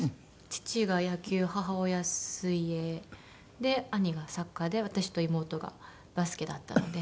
父が野球母親水泳で兄がサッカーで私と妹がバスケだったので。